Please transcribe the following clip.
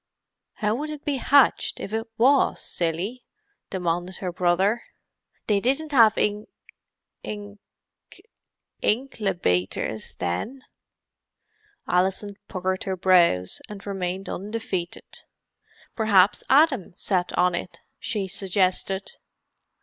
"How would it be hatched if it was, silly?" demanded her brother. "They didn't have ink ink inklebaters then." Alison puckered her brows, and remained undefeated. "P'raps Adam sat on it," she suggested.